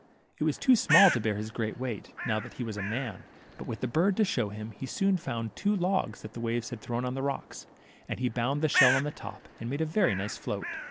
It was too small to bear his great weight, now that he was a man, but with the bird to show him, he soon found ftwo logs that the waves had thrown on the rocks, and he bound the shell on the top, and made a very nice float.